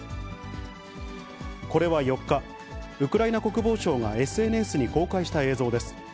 これは４日、ウクライナ国防省がＳＮＳに公開した映像です。